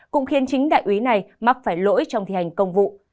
cũng khiến chính đại úy này mắc phải lỗi trong thi hành công vụ